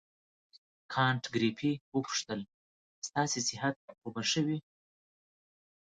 کانت ګریفي وپوښتل ستاسې صحت خو به ښه وي.